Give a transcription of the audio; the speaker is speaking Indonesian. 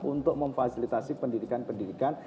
untuk memfasilitasi pendidikan pendidikan